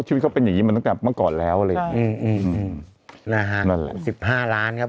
ชีวิตเขาเป็นอย่างงี้มาตั้งแต่เมื่อก่อนแล้วอืมอืมนะฮะสิบห้าร้านครับ